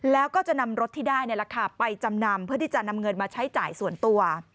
แล้วก็จะนำรถที่ได้ไปจำนำเพื่อที่จะนำเงินมาใช้จ่ายส่วนตัว